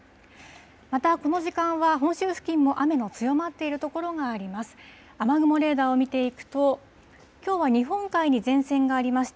また、この時間は、本州付近も雨の強まっている所があります。